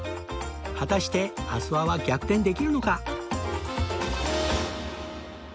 果たして阿諏訪は逆転できるのか？